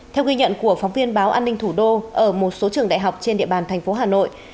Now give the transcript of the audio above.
theo ghi nhận của phóng viên báo an ninh thủ đô ở một số trường đại học trên địa bàn thành phố hà nội